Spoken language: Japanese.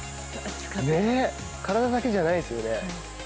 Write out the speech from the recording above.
体だけじゃないですよね。